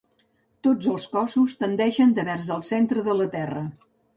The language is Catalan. Tots els cossos tendeixen devers el centre de la Terra.